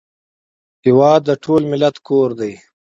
هېواد د ټول ملت کور دی